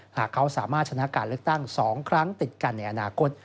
หากเขาสามารถชนะการเลือกตั้ง๒ครั้งติดกันในอนาคต